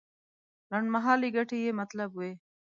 لنډمهالې ګټې یې مطلب وي.